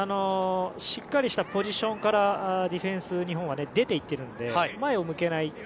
しっかりしたポジションからディフェンスに、日本は出て行っているので前を向けない。